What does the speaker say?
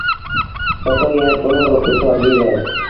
سسئيٚ ائيٚݩ پنهون رو ڪسو اجيب اهي۔